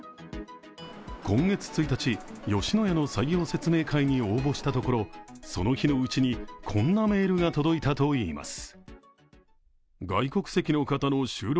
今月１日、吉野家の採用説明会に応募したところ、その日のうちに、こんなメールが届いたといいます。